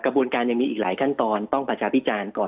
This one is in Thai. กระบวนการยังมีอีกหลายขั้นตอนต้องประชาพิจารณ์ก่อน